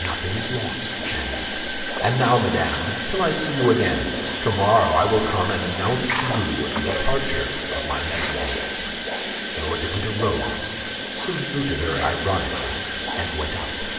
"Nothing is lost, then." "And now, madame, till I see you again! Tomorrow I will come and announce to you the departure of my messenger." Lord de Winter rose, saluted her ironically, and went out.